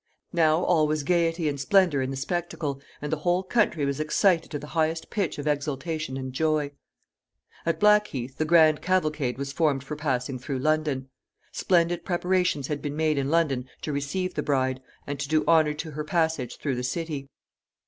Now all was gayety and splendor in the spectacle, and the whole country was excited to the highest pitch of exultation and joy. At Blackheath the grand cavalcade was formed for passing through London. Splendid preparations had been made in London to receive the bride, and to do honor to her passage through the city.